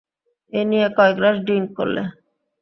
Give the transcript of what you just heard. এই নিয়ে কয় গ্লাস ড্রিংক করলে?